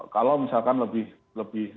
kalau misalkan lebih